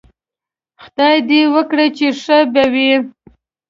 خدای دې وکړي چې ښه به وئ